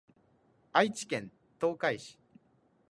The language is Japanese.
愛知県東海市